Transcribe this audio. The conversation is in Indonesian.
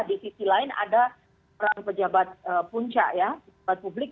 di sisi lain ada perang pejabat puncak pejabat publik